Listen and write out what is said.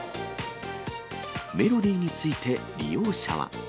メロディーについて利用者は。